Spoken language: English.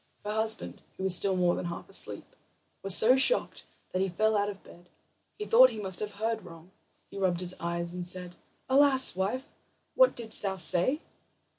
Her husband, who was still more than half asleep, was so shocked that he fell out of bed. He thought he must have heard wrong. He rubbed his eyes and said: "Alas, wife, what didst thou say?"